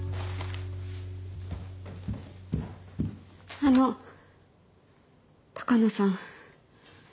あの鷹野さん。